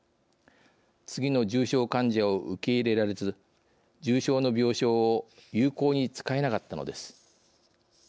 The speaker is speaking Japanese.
次の重症患者を受け入れられず重症の病床を有効に使えなかったのです。